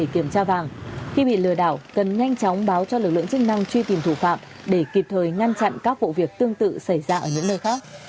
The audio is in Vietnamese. khi bị lừa đảo cần nhanh chóng báo cho lực lượng chức năng truy tìm thủ phạm để kịp thời ngăn chặn các vụ việc tương tự xảy ra ở những nơi khác